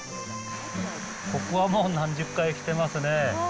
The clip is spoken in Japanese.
ここはもう何十回来てますね。